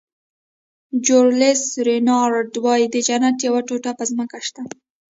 جولیس رینارډ وایي د جنت یوه ټوټه په ځمکه شته.